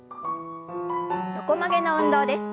横曲げの運動です。